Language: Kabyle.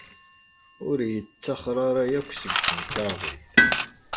Ur yettaxer ara akk seg temkarḍit.